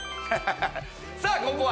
さぁここは。